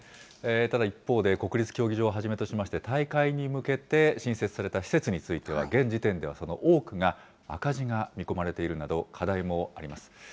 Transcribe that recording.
ただ一方で、国立競技場をはじめとしまして、大会に向けて新設された施設については、現時点ではその多くが赤字が見込まれているなど、課題もあります。